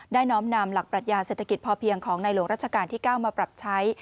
น้อมนำหลักปรัชญาเศรษฐกิจพอเพียงของในหลวงรัชกาลที่๙มาปรับใช้